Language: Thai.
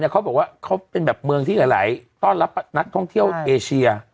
เขาบอกว่าเขาเป็นแบบเมืองที่หลายต้อนรับนักท่องเที่ยวเอเชีย